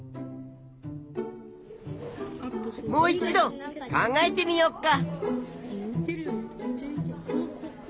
もう一度考えてみよっか！